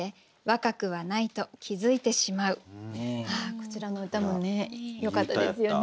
こちらの歌もねよかったですよね。